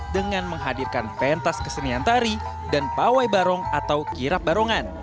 dengan menghadirkan pentas kesenian tari dan pawai barong atau kirap barongan